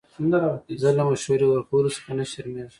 زه له مشورې ورکولو څخه نه شرمېږم.